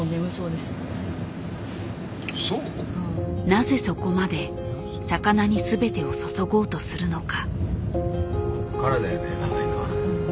なぜそこまで魚にすべてを注ごうとするのか。